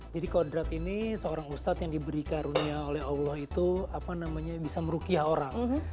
jadi kodrat ini seorang ustad yang diberi karunia oleh allah itu apa namanya bisa merukiah orang